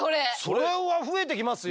それは増えていきますよ。